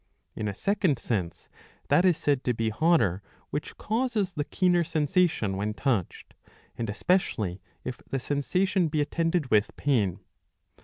In a second sense, that is said to be hotter which causes the keener sensation when touched, and especially if the sensation be attended with pain.